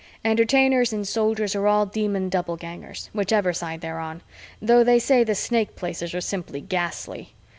Entertainers and Soldiers are all Demon Doublegangers, whichever side they're on though they say the Snake Places are simply ghastly.